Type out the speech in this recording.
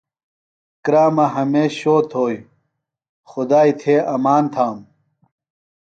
کرامہ ہمیش شو تھوئیۡ، خدائیۡ تھےۡ امان تھانوۡ